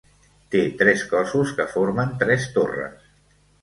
Té tres cossos que formen tres torres.